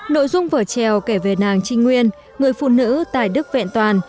nội dung vở trèo kể về nàng trinh nguyên người phụ nữ tài đức vẹn toàn